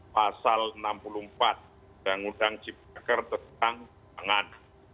pasal enam puluh empat undang undang cipta kerja tentang tangan